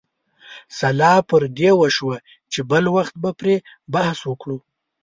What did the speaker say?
سلا پر دې وشوه چې بل وخت به پرې بحث وکړو.